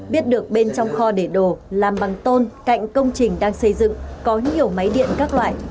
biết được bên trong kho để đồ làm bằng tôn cạnh công trình đang xây dựng có nhiều máy điện các loại